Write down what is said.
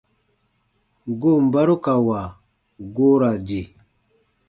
Goon barukawa goo ra di.